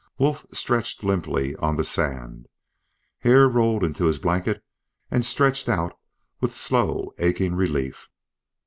Wolf stretched limply on the sand. Hare rolled into his blanket and stretched out with slow aching relief.